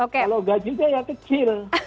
kalau gajinya yang kecil